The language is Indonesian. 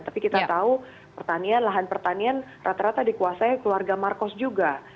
tapi kita tahu pertanian lahan pertanian rata rata dikuasai keluarga marcos juga